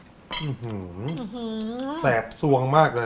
ชิสจาร์ฟมากนะคะ